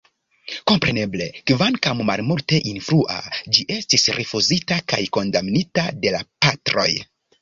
Kompreneble, kvankam malmulte influa, ĝi estis rifuzita kaj kondamnita de la Patroj.